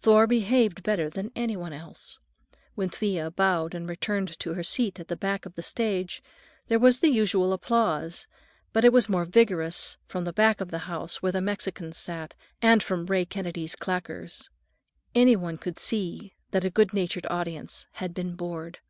Thor behaved better than any one else. When Thea bowed and returned to her seat at the back of the stage there was the usual applause, but it was vigorous only from the back of the house where the Mexicans sat, and from Ray Kennedy's claqueurs. Any one could see that a good natured audience had been bored.